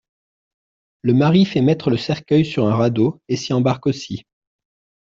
Le mari fait mettre le cercueil sur un radeau et s'y embarque aussi.